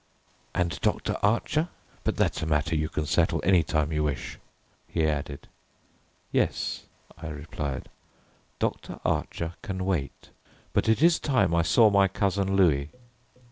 "And Dr. Archer! But that's a matter you can settle any time you wish," he added. "Yes," I replied, "Dr. Archer can wait, but it is time I saw my cousin Louis."